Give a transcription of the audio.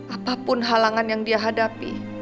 apapun halangan yang dia hadapi